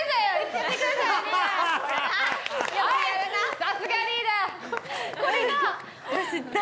さすがリーダー！